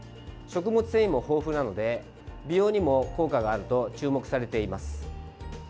食物繊維も豊富なので美容にも効果があると注目されています。